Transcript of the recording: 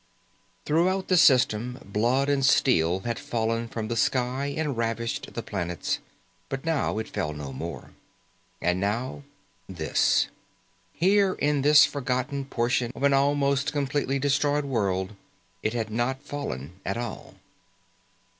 Throughout the system blood and steel had fallen from the sky and ravished the planets, but now it fell no more. And now this. Here in this forgotten portion of an almost completely destroyed world it had not fallen at all.